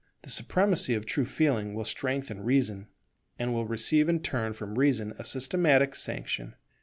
The supremacy of true Feeling will strengthen Reason, and will receive in turn from Reason a systematic sanction.